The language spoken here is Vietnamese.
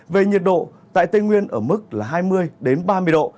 về nhiệt độ tại tây nguyên ở mức là hai mươi ba mươi độ